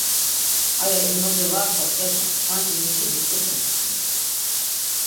Aya izmoce va rt̆as yado ğancimuşis nitzip̌olup̌t̆u.